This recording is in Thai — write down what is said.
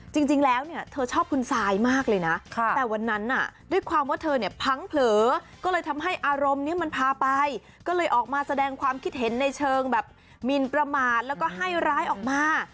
จริงแล้วเนี่ยเธอชอบคุณซายมากเลยนะแต่วันนั้นน่ะด้วยความว่าเธอเนี่ยพังเผลอก็เลยทำให้อารมณ์นี้มันพาไปก็เลยออกมาแสดงความคิดเห็นในเชิงแบบมินประมาทแล้วก็ให้ร้ายออกมา